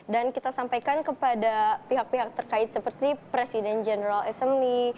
dan kita sampaikan kepada pihak pihak terkait seperti presiden general assembly